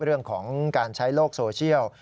เรื่องของการใช้โลกโซเชียล